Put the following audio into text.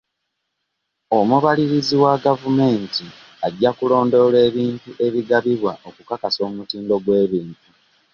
Omubalirizi wa gavumenti ajja kulondoola ebintu ebigabibwa okukakasa omutindo gw'ebintu.